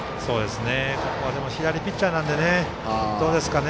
ここは左ピッチャーなのでどうですかね。